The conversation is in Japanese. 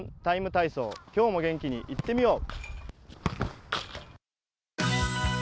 ＴＩＭＥ，体操」、今日も元気にいってみよう！